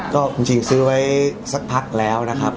ก็จริงซื้อไว้สักพักแล้วนะครับ